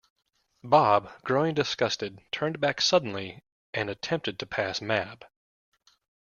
Bob, growing disgusted, turned back suddenly and attempted to pass Mab.